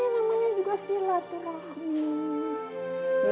namanya juga si laturohmi